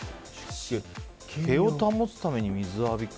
毛を保つために水浴びか。